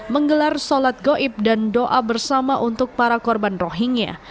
menggelar sholat goib dan doa bersama untuk para korban rohingya